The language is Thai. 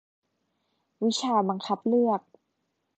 วิชาบังคับเลือก